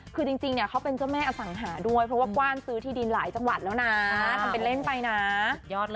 คือจริงเขาเป็นเจ้าแม่อสังหาด้วย